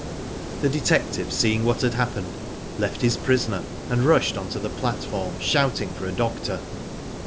The detective seeing what had happened, left his prisoner and rushed on tp the platform shouting for a doctor.